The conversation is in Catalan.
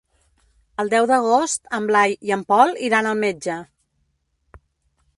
El deu d'agost en Blai i en Pol iran al metge.